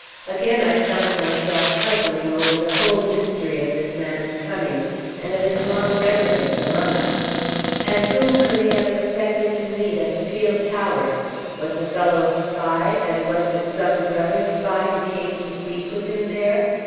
Again I found myself puzzling over the whole mystery of this man's coming, and of his long residence among us. And whom could he have expected to meet at the Peel Tower? Was the fellow a spy, and was it some brother spy who came to speak with him there?